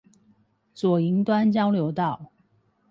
左營端交流道